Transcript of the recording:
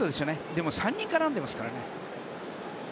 でも、３人絡んでますからね。